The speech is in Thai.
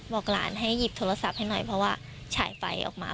บอกหลานให้หยิบโทรศัพท์ให้หน่อยเพราะว่าฉายไฟออกมา